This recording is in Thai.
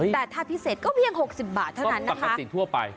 แต่ถ้าพิเศษก็เพียง๖๐บาทเท่านั้นนะคะปกติทั่วไป